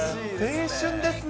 青春ですね。